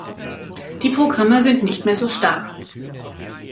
Die Programme sind nicht mehr so starr.